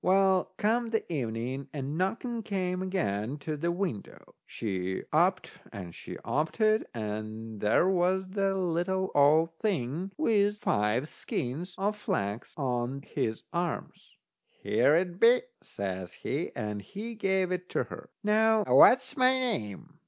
Well, come the evening a knocking came again to the window. She upped and she oped it, and there was the little old thing with five skeins of flax on his arm. "Here it be," says he, and he gave it to her. "Now, what's my name?"